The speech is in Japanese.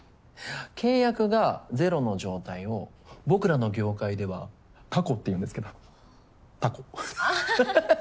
契約がゼロの状態を僕らの業界ではタコっていうんですけどタコははははっ。